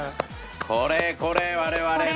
これこれ我々の。